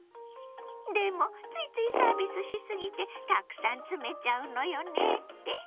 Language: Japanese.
でもついついサービスしすぎてたくさん詰めちゃうのよねって？